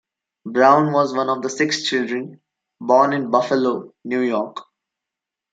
Brown was one of six children, born in Buffalo, New York.